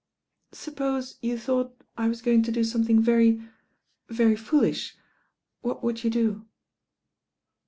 •'Suppose you thought I was going to do some thing very— very foolish, what would you do?"